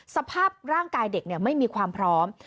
สภาพร่างกายเด็กไม่มีความพร้อม